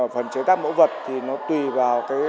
phần chế tác mẫu vật thì nó tùy vào